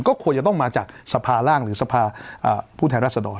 ก็ควรจะต้องมาจากสภาร่างหรือสภาผู้แทนรัศดร